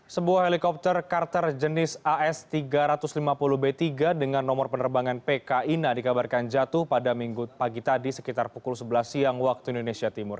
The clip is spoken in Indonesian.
sebuah helikopter karter jenis as tiga ratus lima puluh b tiga dengan nomor penerbangan pki na dikabarkan jatuh pada minggu pagi tadi sekitar pukul sebelas siang waktu indonesia timur